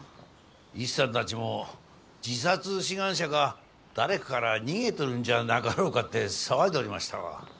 イシさんたちも自殺志願者か誰かから逃げとるんじゃなかろうかって騒いどりましたわ。